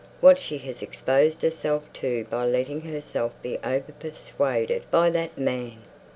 "What she has exposed herself to by letting herself be over persuaded by that man!"